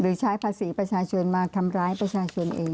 ใช้ภาษีประชาชนมาทำร้ายประชาชนเอง